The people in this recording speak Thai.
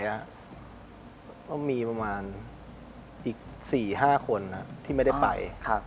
ก็มีประมาณอีก๔๕คนที่ไม่ได้ไป